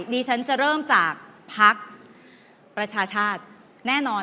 อย่างนั้นจะเริ่มจากพักประชาชาติแน่นอน